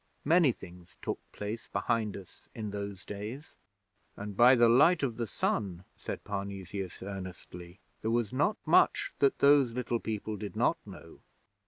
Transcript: Many things took place behind us in those days. And by the Light of the Sun,' said Parnesius, earnestly, 'there was not much that those little people did not know!